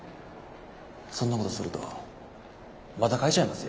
そんなことするとまた書いちゃいますよ。